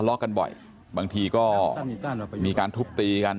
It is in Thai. แล้วก็ยัดลงถังสีฟ้าขนาด๒๐๐ลิตร